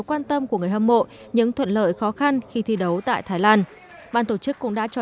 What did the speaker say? quan tâm của người hâm mộ những thuận lợi khó khăn khi thi đấu tại thái lan ban tổ chức cũng đã cho